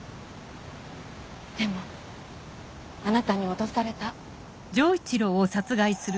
でもあなたに脅された。